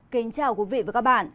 kính chào quý vị và các bạn